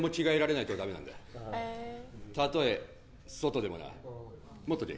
たとえ外でもな持っとけ。